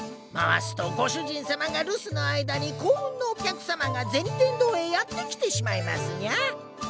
回すとご主人様が留守の間に幸運のお客様が銭天堂へやって来てしまいますニャ。